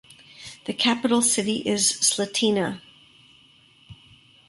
The capital city is Slatina.